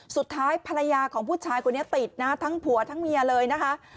สุดท้ายภรรยาของผู้ชายคนนี้ติดนะทั้งผัวทั้งเมียเลยนะคะ